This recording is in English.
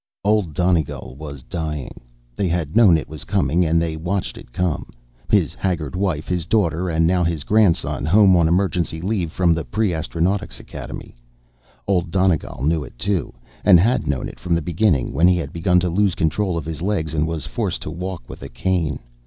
_ Old Donegal was dying. They had all known it was coming, and they watched it come his haggard wife, his daughter, and now his grandson, home on emergency leave from the pre astronautics academy. Old Donegal knew it too, and had known it from the beginning, when he had begun to lose control of his legs and was forced to walk with a cane.